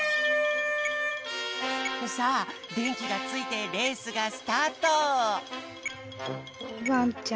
さあでんきがついてレースがスタート！